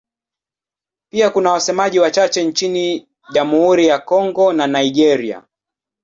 Pia kuna wasemaji wachache nchini Jamhuri ya Kongo na Nigeria.